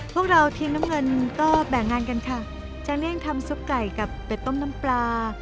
พวกเราทีมน้ำเงินก็แบ่งงานกันค่ะจะเลี่ยงทำซุปไก่กับเป็ดต้มน้ำปลา